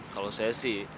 kalau saya sih